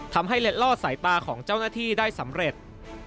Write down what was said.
เล็ดลอดสายตาของเจ้าหน้าที่ได้สำเร็จ